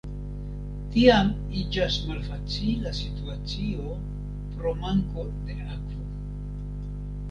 Tiam iĝas malfacila situacio pro manko de akvo.